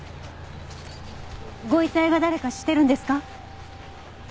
ご遺体が誰か知ってるんですか？